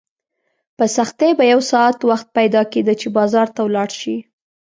په سختۍ به یو ساعت وخت پیدا کېده چې بازار ته ولاړ شې.